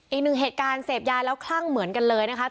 อีกหนึ่งเหตุการณ์เสพยาแล้วคลั่งเหมือนกันเลยนะคะ